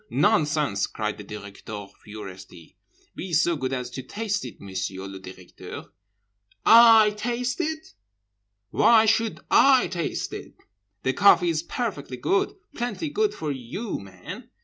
Nonsense!' cried the Directeur furiously.—'Be so good as to taste it, Monsieur le Directeur.'—'I taste it? Why should I taste it? The coffee is perfectly good, plenty good for you men.